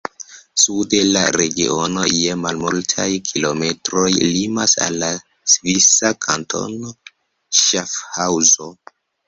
Sude la regiono je malmultaj kilometroj limas al la svisa kantono Ŝafhaŭzo.